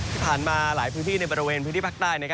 ที่ผ่านมาหลายพื้นที่ในบริเวณพื้นที่ภาคใต้